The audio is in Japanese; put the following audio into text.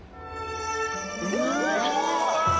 うわ！